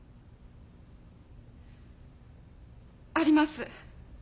あります。